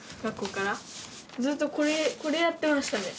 ずっとこれやってましたね